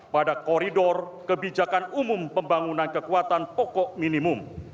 pada koridor kebijakan umum pembangunan kekuatan pokok minimum